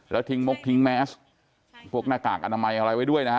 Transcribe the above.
แล้วทิ้งมกทิ้งแมสพวกหน้ากากอนามัยอะไรไว้ด้วยนะฮะ